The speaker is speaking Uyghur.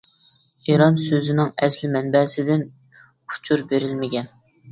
ئىران سۆزىنىڭ ئەسلى مەنبەسىدىن ئۇچۇر بېرىلمىگەن.